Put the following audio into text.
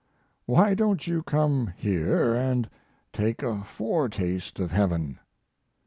Why don't you come here and take a foretaste of Heaven?"